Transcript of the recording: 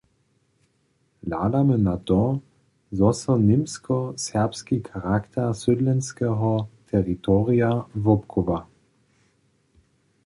Hladamy na to, zo so němsko-serbski charakter sydlenskeho teritorija wobchowa.